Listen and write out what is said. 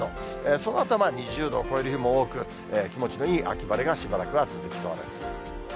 そのあとはまあ、２０度を超える日も多く、気持ちのいい秋晴れがしばらくは続きそうです。